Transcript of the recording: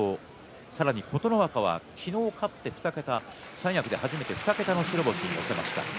さらに琴ノ若は昨日勝って２桁三役で初めて２桁の白星に乗せました。